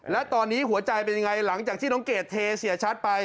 และตอนนี้หัวใจเป็นยังไงหลังจากที่น้องเกดเทเสียชัดไป